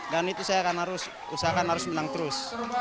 dan itu saya akan harus usahakan harus menang terus